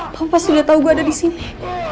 papa pasti udah tau gue ada disini